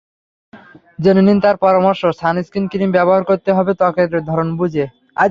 জেনে নিন তাঁর পরামর্শ—সানস্ক্রিন ক্রিম ব্যবহার করতে হবে ত্বকের ধরন বুঝে।